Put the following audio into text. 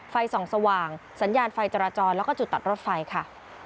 ไฟส่องสว่างสัญญาณไฟจราจรแล้วก็จุดตัดรถไฟค่ะ